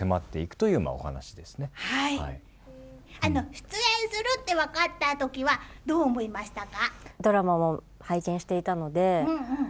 出演すると分かった時はどう思いましたか？